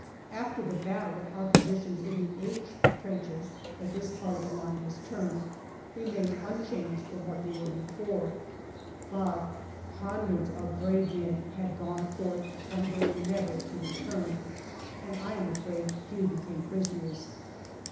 After the battle our positions in the " H " trenches (as this part of the line is termed) remained unchanged from what they were before ; but hundreds of brave men had gone forth from there never to return, and I am afraid few became prisoners.